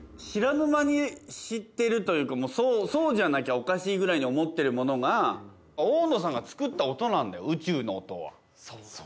知らぬ間に知ってるというか、もう、そうじゃなきゃおかしいぐらいに思ってるものが、大野さんが作った音なんだ、宇宙の音は。